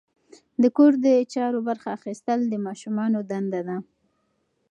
د کور د چارو برخه اخیستل د ماشومانو دنده ده.